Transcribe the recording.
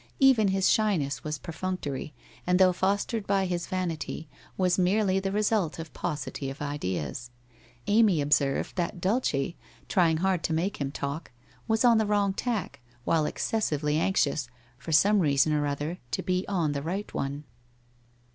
Even his shyness was perfunctory, and though fostered by his vanity, was merely the result of paucity of ideas. Amy observed that Dulce, trying hard to make him talk, was on the wrong tack, while exces sively anxious, for some reason or other, to be on the right one.